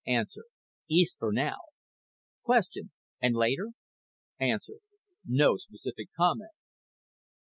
EAST FOR NOW Q. AND LATER A. NO SPECIFIC COMMENT Q.